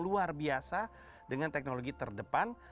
luar biasa dengan teknologi terdepan